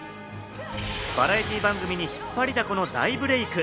バラエティー番組に引っ張りだこの大ブレーク！